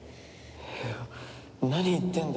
いや何言ってんだ。